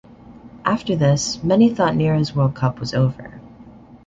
After this, many thought Nehra's world cup was over.